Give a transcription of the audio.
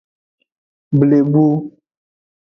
Blebu.